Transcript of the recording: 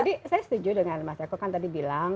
jadi saya setuju dengan mas eko kan tadi bilang